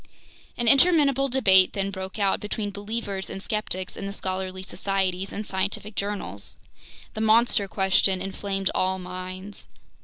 An interminable debate then broke out between believers and skeptics in the scholarly societies and scientific journals. The "monster question" inflamed all minds.